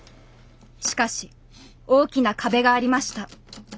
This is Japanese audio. しかし大きな壁がありました。